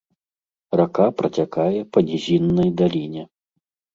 Рака працякае па нізіннай даліне.